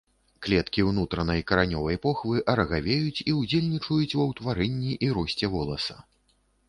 Клеткі ўнутранай каранёвай похвы арагавеюць і ўдзельнічаюць ва ўтварэнні і росце воласа.